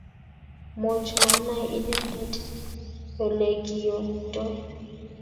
Much manai inendet olekiyoytoi